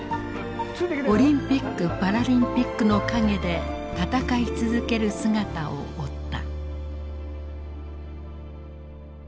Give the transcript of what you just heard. オリンピックパラリンピックの陰で闘い続ける姿を追った。